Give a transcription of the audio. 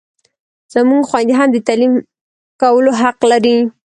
زموږ خویندې هم د تعلیم کولو حق لري!